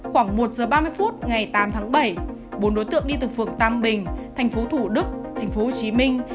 khoảng một giờ ba mươi phút ngày tám tháng bảy bốn đối tượng đi từ phường tam bình thành phố thủ đức thành phố hồ chí minh